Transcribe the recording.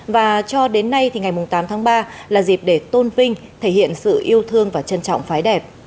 và cho đến nay thì ngày tám tháng ba là dịp để tôn vinh thể hiện sự yêu thương và trân trọng phái đẹp